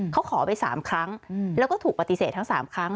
เขาขอไป๓ครั้งแล้วก็ถูกปฏิเสธทั้ง๓ครั้ง